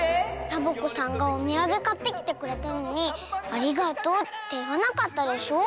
サボ子さんがおみやげかってきてくれたのに「ありがとう」っていわなかったでしょ。